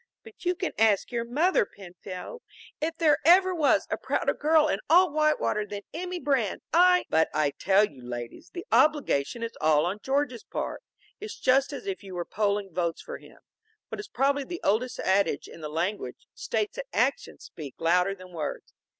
But you can ask your mother, Penfield, if there ever was a prouder girl in all Whitewater than Emmy Brand. I " "But I tell you, ladies, the obligation is all on George's part. It's just as if you were polling votes for him. What is probably the oldest adage in the language, states that actions speak louder than words.